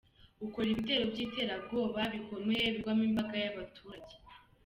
Ukora ibitero by’iterabwoba bikomeye bigwamo imbaga y’abaturage.